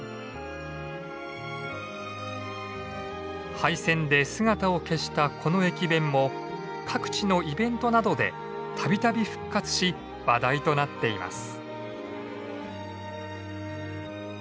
廃線で姿を消したこの駅弁も各地のイベントなどでたびたび復活し話題となっています。